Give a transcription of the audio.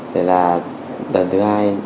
đây là lần thứ hai